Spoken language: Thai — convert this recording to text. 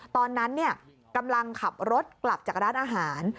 ตอนนั้นกำลังขับรถกลับจากร้านอาหาร